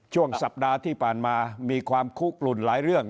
ช่วงสัปดาห์ที่ผ่านมามีความคุกหลุ่นหลายเรื่อง